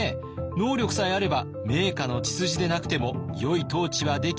能力さえあれば名家の血筋でなくてもよい統治はできるというに」。